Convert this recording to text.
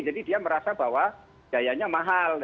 jadi dia merasa bahwa dayanya mahal